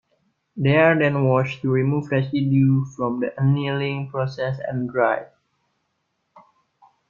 They are then washed to remove residue from the annealing process and dried.